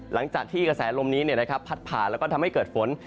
หลังจากที่กระแสลมนี้เนี่ยนะครับผัดผ่านแล้วก็ทำให้เกิดฝน